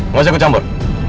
masih aku campur